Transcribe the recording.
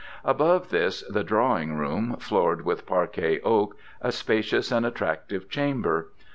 Above this, the drawing room, floored with parquet oak, a spacious and attractive chamber.